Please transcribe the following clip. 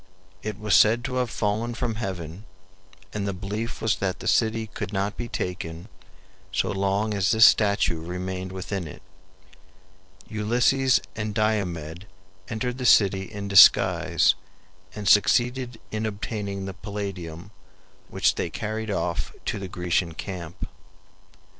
It was said to have fallen from heaven, and the belief was that the city could not be taken so long as this statue remained within it. Ulysses and Diomed entered the city in disguise and succeeded in obtaining the Palladium, which they carried off to the Grecian camp.